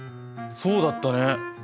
そうだったね。